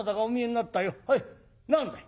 何だい？」。